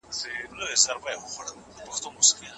ایا ساینسي څېړني ټولي ستونزي په بشپړ ډول حلوي؟